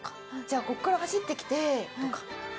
じゃあここから走って来てとか。